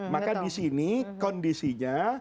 maka disini kondisinya